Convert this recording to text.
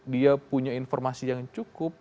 dia punya informasi yang cukup